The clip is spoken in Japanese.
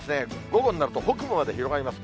午後になると北部まで広がります。